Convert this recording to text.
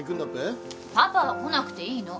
パパは来なくていいの。